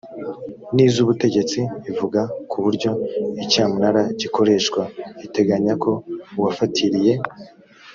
n iz ubutegetsi ivuga ku buryo icyamunara gikoreshwa iteganya ko uwafatiriye